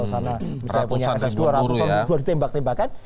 misalnya punya ss dua r empat puluh dua ditembak tembakan